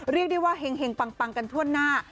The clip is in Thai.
เรียกได้ว่าเห็งปังกันทั่วหน้า